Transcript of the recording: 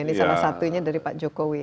ini salah satunya dari pak jokowi